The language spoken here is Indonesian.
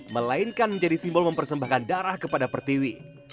melainkan menjadi simbol mempersembahkan darah kepada pertiwi